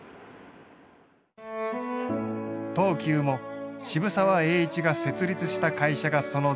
東急も渋沢栄一が設立した会社がその前身となる。